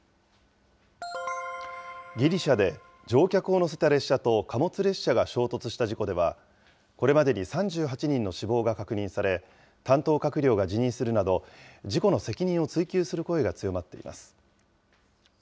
ギリシャで乗客を乗せた列車と貨物列車が衝突した事故では、これまでに３８人の死亡が確認され、担当閣僚が辞任するなど、事故の責任を追及する声が強まっています。